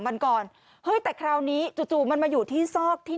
วันก่อนเฮ้ยแต่คราวนี้จู่จู่มันมาอยู่ที่ซอกที่